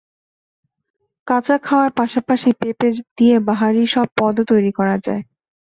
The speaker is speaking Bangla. কাঁচা খাওয়ার পাশাপাশি পেঁপে দিয়ে বাহারি সব পদও তৈরি করা যায়।